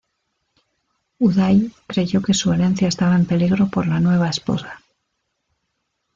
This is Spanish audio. Uday creyó que su herencia estaba en peligro por la nueva esposa.